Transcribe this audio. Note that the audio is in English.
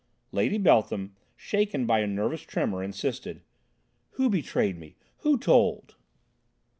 Lady Beltham, shaken by a nervous tremour, insisted: "Who betrayed me? Who told?"